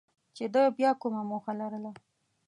چې ده بیا کومه موخه لرله.